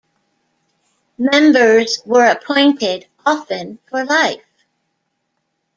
Members were appointed, often for life.